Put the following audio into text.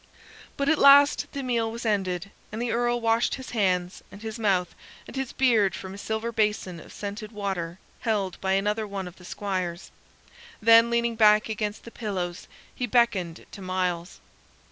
But at last the meal was ended, and the Earl washed his hands and his mouth and his beard from a silver basin of scented water held by another one of the squires. Then, leaning back against the pillows, he beckoned to Myles.